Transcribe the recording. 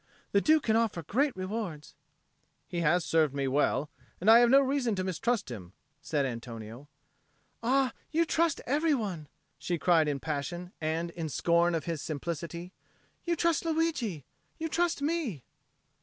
The Duke can offer great rewards." "He has served me well. I have no reason to mistrust him," said Antonio. "Ah, you trust every one!" she cried in passion and in scorn of his simplicity. "You trust Luigi! You trust me!"